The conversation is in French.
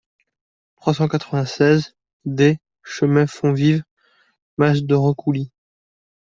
trois cent quatre-vingt-seize D chemin Fonvive Mas de Recouly